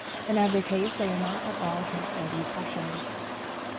In every case they are not at all hurt by these pressures.